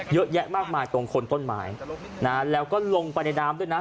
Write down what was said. เยอะแยะมากมายตรงคนต้นไม้นะแล้วก็ลงไปในน้ำด้วยนะ